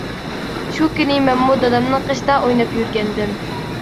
شۇ كۈنى مەنمۇ دادامنىڭ قېشىدا ئويناپ يۈرگەنىدىم.